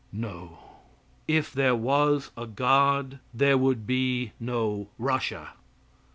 "No;" if there was a God there would be no Russia.